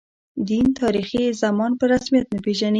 دین، تاریخي زمان په رسمیت نه پېژني.